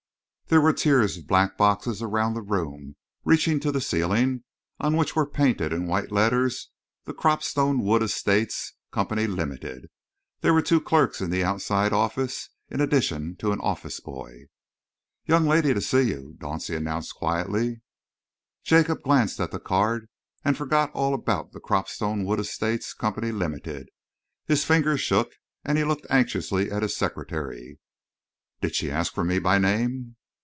There were tiers of black boxes around the room, reaching to the ceiling, on which were painted in white letters The Cropstone Wood Estates Company, Limited. There were two clerks in the outside office, in addition to an office boy. "Young lady to see you," Dauncey announced quietly. Jacob glanced at the card and forgot all about the Cropstone Wood Estates Company, Limited. His fingers shook, and he looked anxiously at his secretary. "Did she ask for me by name?"